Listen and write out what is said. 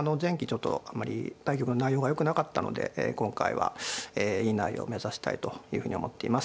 ちょっとあまり対局の内容がよくなかったので今回はいい内容を目指したいというふうに思っています。